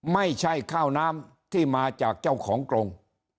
ไม่ใช่ข้าวน้ำที่มาจากเจ้าของกรง